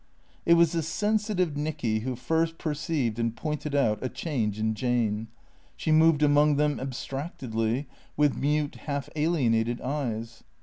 It was the sensitive Nicky who first perceived and pointed out a change in Jane. She moved among tliem abstractedly, with mute, half alienated eyes.